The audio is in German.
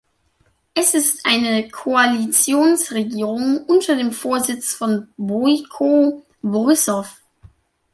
Es ist eine Koalitionsregierung unter dem Vorsitz von Bojko Borissow.